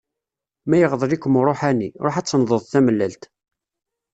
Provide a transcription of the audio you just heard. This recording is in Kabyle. Ma iɣḍel-ikem uruḥani, ruḥ ad tenḍeḍ tamellalt.